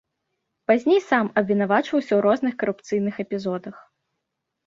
Пазней сам абвінавачваўся ў розных карупцыйных эпізодах.